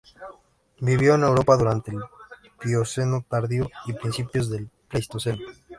Vivió en Europa durante el Plioceno tardío y principios del Pleistoceno.